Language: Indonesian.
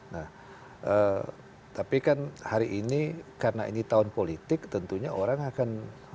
nah tapi kan hari ini karena ini tahun politik tentunya orang akan